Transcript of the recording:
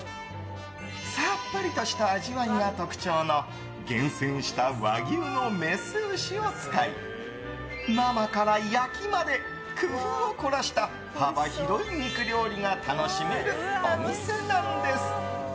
さっぱりとした味わいが特徴の厳選した和牛のメス牛を使い生から焼きまで工夫を凝らした幅広い肉料理が楽しめるお店なんです。